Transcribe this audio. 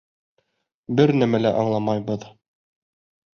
Бер нәмә лә аңламайбыҙ.